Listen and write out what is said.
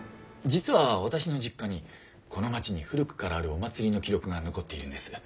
実は私の実家にこの町に古くからあるお祭りの記録が残っているんです。